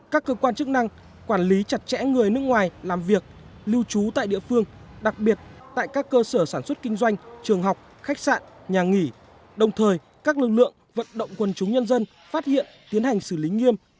các cơ quan chức năng quản lý chặt chẽ người nước ngoài làm việc lưu trú tại địa phương đặc biệt tại các cơ sở sản xuất kinh doanh trường học khách sạn nhà nghỉ đồng thời các lực lượng vận động quân chúng nhân dân phát hiện tiến hành xử lý nghiêm